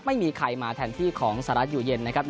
ไม่มีใครมาแทนที่ของสหรัฐอยู่เย็นนะครับ